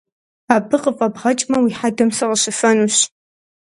Абы къыфӏэбгъэкӏмэ уи хьэдэм сыкъыщыфэнущ!